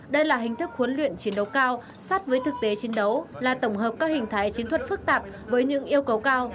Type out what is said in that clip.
đây là hình thức huấn luyện chiến đấu cao sát với thực tế chiến đấu là tổng hợp các hình thái chiến thuật phức tạp với những yêu cầu cao